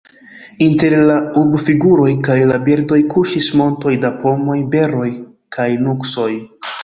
Inter la urbfiguroj kaj la birdoj kuŝis montoj da pomoj, beroj kaj nuksoj.